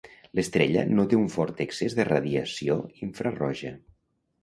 L'estrella no té un fort excés de radiació infraroja.